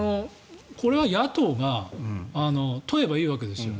これは野党が問えばいいわけですよ。